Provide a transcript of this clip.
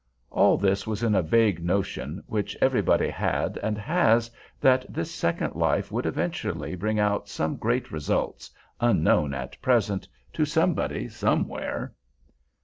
All this was in a vague notion, which everybody had and has, that this second life would eventually bring out some great results, unknown at present, to somebody somewhere.